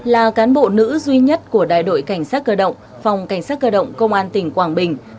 là cán bộ nữ duy nhất của đại đội cảnh sát cơ động phòng cảnh sát cơ động công an tỉnh quảng bình